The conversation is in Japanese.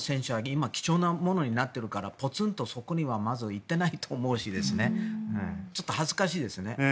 今、貴重なものになっているからぽつんとそこにはまずいっていないと思いますしちょっと恥ずかしいですね。